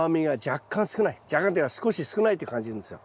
若干というか少し少ないって感じるんですよ。